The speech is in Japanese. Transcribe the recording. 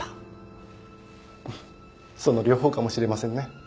その両方かもしれませんね。